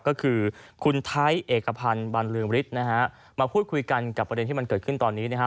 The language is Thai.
ก็คือคุณไทยเอกพันธ์บรรลืองฤทธิ์นะฮะมาพูดคุยกันกับประเด็นที่มันเกิดขึ้นตอนนี้นะฮะ